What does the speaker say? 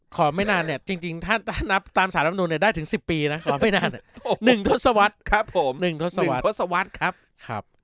ไม่นานเนี่ยจริงถ้านับตามสารรับนูลเนี่ยได้ถึง๑๐ปีนะขอไม่นาน๑ทศวรรษครับผม๑ทศวรรษครับ